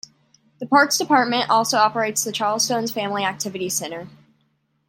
The Parks Department also operates the Charlestown Family Activity Center.